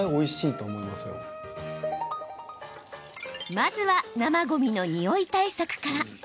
まずは、生ごみのニオイ対策から。